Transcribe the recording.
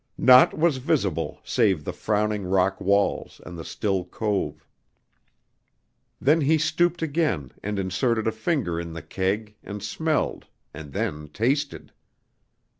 Naught was visible save the frowning rock walls and the still cove. Then he stooped again and inserted a finger in the keg and smelled and then tasted!